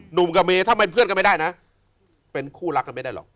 หนุ่มกับเมย์ถ้าเป็นเพื่อนกันไม่ได้นะเป็นคู่รักกันไม่ได้หรอก